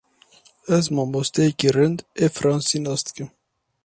Ez mamosteyekî rind ê fransî nas dikim.